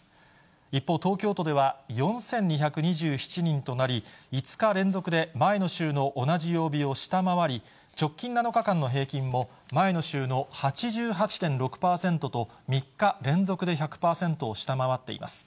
一方、東京都では４２２７人となり、５日連続で前の週の同じ曜日を下回り、直近７日間の平均も、前の週の８８．６％と、３日連続で１００％を下回っています。